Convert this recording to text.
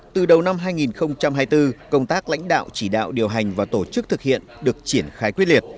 từ đầu năm hai nghìn hai mươi bốn công tác lãnh đạo chỉ đạo điều hành và tổ chức thực hiện được triển khai quyết liệt